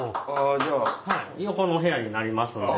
横のお部屋になりますので。